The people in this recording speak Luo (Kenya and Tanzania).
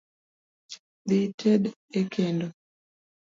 Dhii ited e kendo .